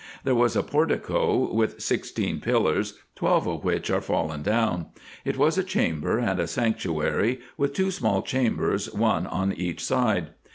There was a portico, with sixteen pillars, twelve of which are fallen down. It has a chamber, and a sanctuary, with two small chambers, one on each side.